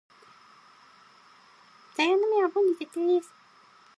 座右の銘は凡事徹底です。